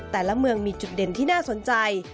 แต่ละเมืองมีจุดเด่นที่น่าสนใจ